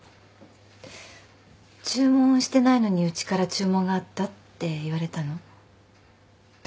注文してないのにうちから注文があったって言われたの？